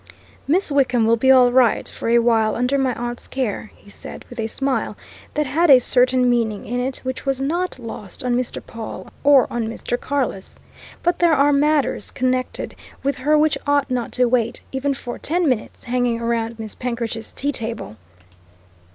"Miss Wickham will be all right for a while under my aunt's care," he said, with a smile that had a certain meaning in it which was not lost on Mr. Pawle or on Mr. Carless, "but there are matters connected with her which ought not to wait, even for ten minutes hanging round Miss Penkridge's tea table.